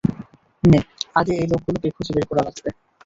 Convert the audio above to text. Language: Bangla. মে, আগে এই লোকগুলোকে খুঁজে বের করা লাগবে।